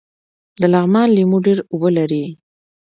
د لغمان لیمو ډیر اوبه لري